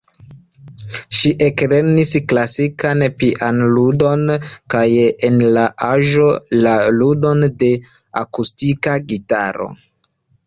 Ŝi eklernis klasikan pianludon kaj en la aĝo la ludon de akustika gitaro.